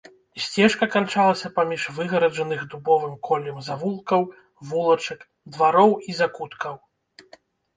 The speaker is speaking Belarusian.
Сцежка канчалася паміж выгараджаных дубовым коллем завулкаў, вулачак, двароў і закуткаў.